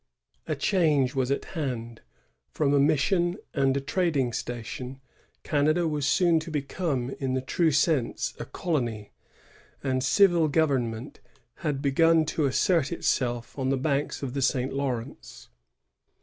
A change was at hand. From a mission and a trad ing station, Canada was soon to become, in the true sense, a colony; and civil government had begun to assert itself on the banks of the St. Lawrence.